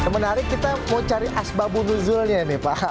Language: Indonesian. menarik kita mau cari asbab unuzulnya nih pak